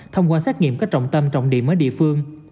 thông qua xét nghiệm có trọng tâm trọng điểm ở địa phương